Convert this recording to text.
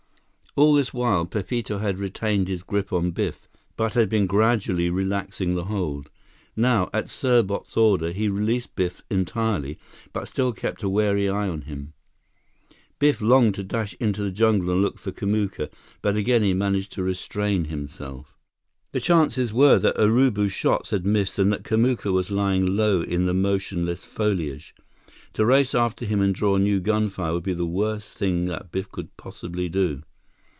All this while, Pepito had retained his grip on Biff, but had been gradually relaxing the hold. Now, at Serbot's order, he released Biff entirely, but still kept a wary eye on him. Biff longed to dash into the jungle and look for Kamuka, but again he managed to restrain himself. The chances were that Urubu's shots had missed and that Kamuka was lying low in the motionless foliage. To race after him and draw new gunfire would be the worst thing that Biff could possibly do.